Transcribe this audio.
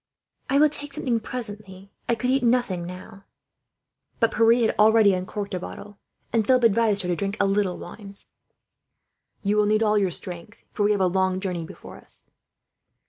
"I will take something presently," she said. "I could eat nothing, now." But Pierre had already uncorked a bottle, and Philip advised her to drink a little wine. "You will need all your strength," he said, "for we have a long journey before us."